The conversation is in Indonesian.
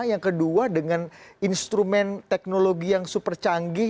yang kedua dengan instrumen teknologi yang super canggih